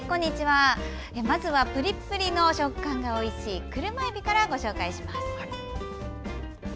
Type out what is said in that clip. まずはプリプリの食感がおいしいクルマエビからご紹介します。